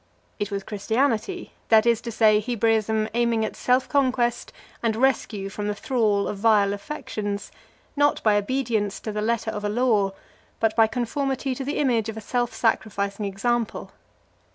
It was Christianity; that is to say, Hebraism aiming at self conquest and rescue from the thrall of vile affections, not by obedience to the letter of a law, but by conformity to the image of a self sacrificing example.